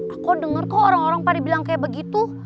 aku dengar kok orang orang pada bilang kayak begitu